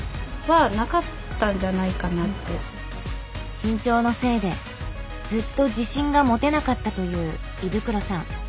身長のせいでずっと自信が持てなかったという衣袋さん。